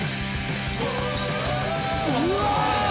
「うわ！」